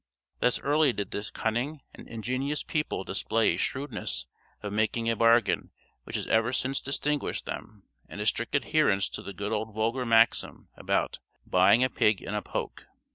Thus early did this cunning and ingenious people display a shrewdness of making a bargain which has ever since distinguished them, and a strict adherence to the good old vulgar maxim about "buying a pig in a poke."